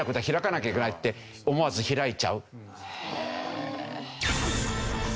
開かなきゃいけないって思わず開いちゃう。